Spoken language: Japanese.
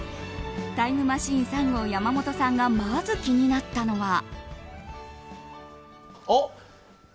タイムマシーン３号・山本さんがまず気になったのは。